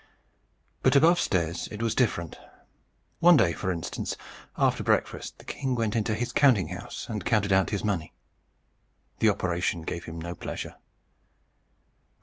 But above stairs it was different. One day, for instance, after breakfast, the king went into his counting house, and counted out his money. The operation gave him no pleasure.